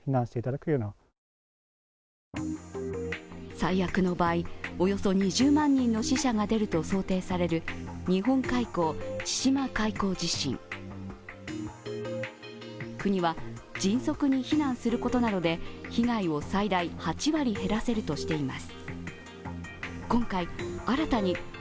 最悪の場合、およそ２０万人の死者が出ると想定される日本海溝・千島海溝地震国は迅速に避難することなどで被害を最大８割減らせるとしています。